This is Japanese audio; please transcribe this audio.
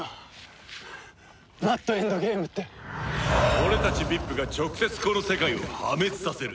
俺たちＶＩＰが直接この世界を破滅させる